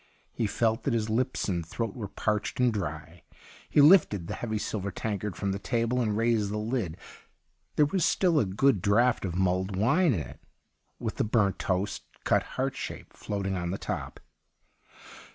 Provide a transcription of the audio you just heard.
He felt that his lips and throat were parched and dry. He lifted the heavy silver tankard fi'oni the table and raised the lid ; there was still a good draught of mulled wine in it with the burnt toast, cut heart shape, floating on the top.